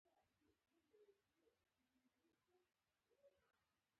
دا به بیا په کړاکړ کی د« بیربل» ژامی ماتیږی